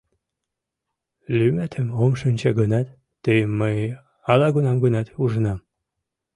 — Лӱметым ом шинче гынат, тыйым мый ала-кунам гынат ужынам.